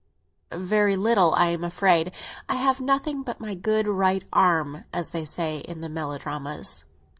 Very little, I am afraid. I have nothing but my good right arm, as they say in the melodramas."